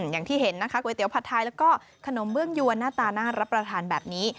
อย่างที่เห็นนะคะก๋วยเตี๋ผัดไทยแล้วก็ขนมเบื้องยวนหน้าตาน่ารับประทานแบบนี้